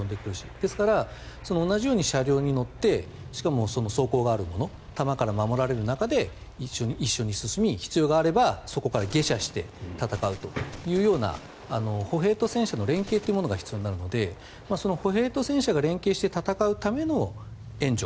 ですから同じように車両に乗ってしかも、装甲があるもの弾から守られる中で一緒に進み必要があればそこから下車して戦うというような歩兵と戦車の連携というものが必要になるのでその歩兵と戦車が連携して戦うための援助。